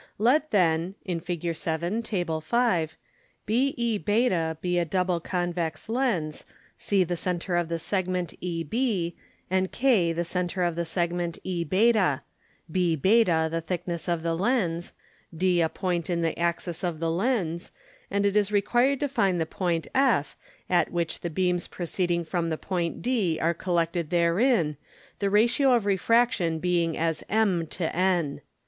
Let then (in Fig. 7. Tab. 5.) BEβ be a double Convex Lens, C the Center of the Segment EB, and K the Center of the Segment Eβ, Bβ the thickness of the Lens, D a Point in the Axis of the Lens; and it is required to find the Point F, at which the Beams proceeding from the Point D, are collected therein, the Ratio of Refraction being as m to n.